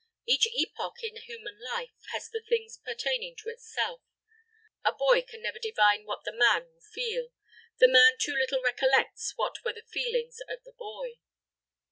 Each epoch in human life has the things pertaining to itself. The boy can never divine what the man will feel; the man too little recollects what were the feelings of the boy.